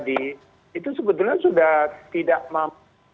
itu sebetulnya sudah tidak mampu